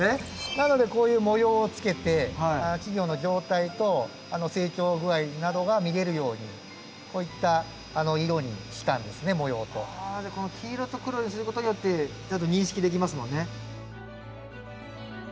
なのでこういう模様をつけて稚魚の状態と成長具合などが見れるようにこういった色にしたんですね模様と。この黄色と黒にすることによってちゃんと認識できますもんね。